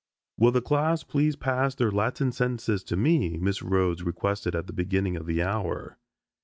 "Will the class please pass their Latin sentences to me?" Miss Rhodes requested at the beginning of the hour.